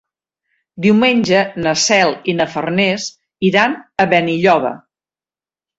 Diumenge na Cel i na Farners iran a Benilloba.